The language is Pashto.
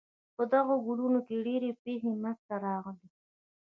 په دغو کلونو کې ډېرې پېښې منځته راغلې.